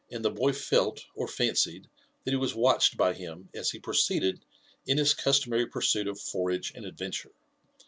the boy felt or fancied that he was watched by him as he proceeded in his customary pursuit of forage and adventure.